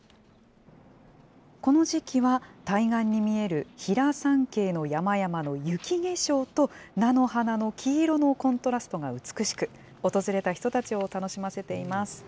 この時期は、対岸に見える比良山系の山々の雪化粧と、菜の花の黄色のコントラストが美しく、訪れた人たちを楽しませています。